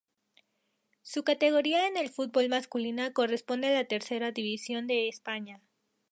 Su categoría en el fútbol masculina corresponde a la Tercera División de España.